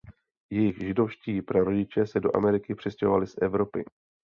Jejich židovští prarodiče se do Ameriky přistěhovali z Evropy.